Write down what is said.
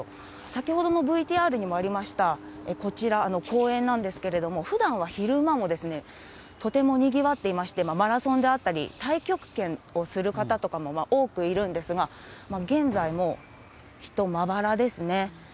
先ほどのＶＴＲにもありました、こちら、公園なんですけれども、ふだんは昼間もとてもにぎわっていまして、マラソンであったり、太極拳をする方とかも多くいるんですが、現在も人、まばらですね。